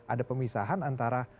ada pemisahan antara